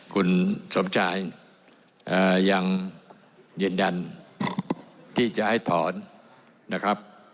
คุณสมชายยังยืนยันที่จะให้ถอนนะครับ